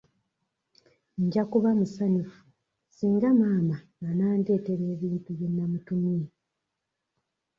Nja kuba musanyufu singa maama anandeetera ebintu bye nnamutumye.